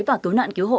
và cứu nạn cứu hộ